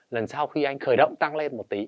lần sau khi anh khởi động tăng lên một tí